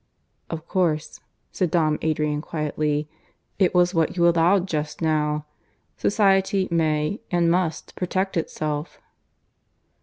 "Of course," said Dom Adrian quietly. "It was what you allowed just now. Society may, and must, protect itself."